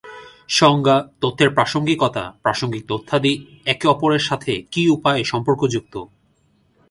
সংজ্ঞা, তথ্যের প্রাসঙ্গিকতা, প্রাসঙ্গিক তথ্যাদি একে অপরের সাথে কি উপায়ে সম্পর্কযুক্ত।